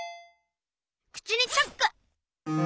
くちにチャック！